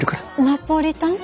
ナポリタン？